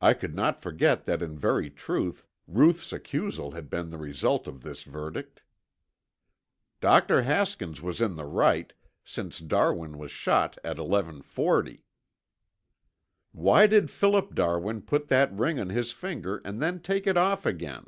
I could not forget that in very truth Ruth's accusal had been the result of this verdict. "Dr. Haskins was in the right, since Darwin was shot at eleven forty." "Why did Philip Darwin put that ring on his finger and then take it off again?"